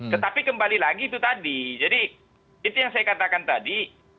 tetapi kembali lagi itu tadi jadi itu yang saya katakan tadi